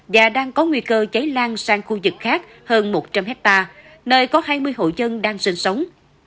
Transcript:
và đang có nguy cơ cháy lan sang khu vực khác hơn một trăm linh hectare nơi có hai mươi hộ dân đang sinh sống